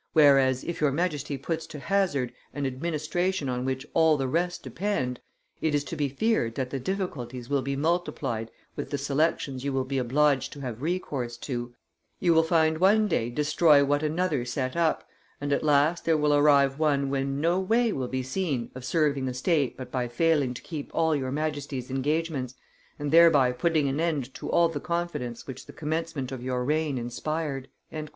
. whereas, if your Majesty puts to hazard an administration on which all the rest depend, it is to be feared that the difficulties will be multiplied with the selections you will be obliged to have recourse to; you will find one day destroy what another set up, and at last there will arrive one when no way will be seen of serving the state but by failing to keep all your Majesty's engagements, and thereby putting an end to all the confidence which the commencement of your reign inspired."